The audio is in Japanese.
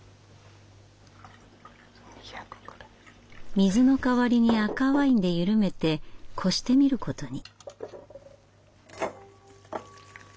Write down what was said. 水の代わりに赤ワインで緩めて漉してみることに。